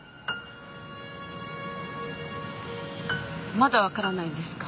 まだ分からないんですか？